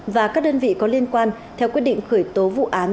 và các đơn vị có liên quan theo quyết định khởi tố vụ án